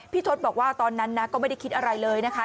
ทศบอกว่าตอนนั้นนะก็ไม่ได้คิดอะไรเลยนะคะ